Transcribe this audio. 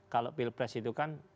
kalau pilpres itu kan